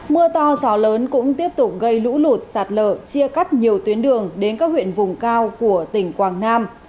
mưa to gió lớn cũng tiếp tục gây lũ lụt sạt lở chia cắt nhiều tuyến đường đến các huyện vùng cao của tỉnh quảng nam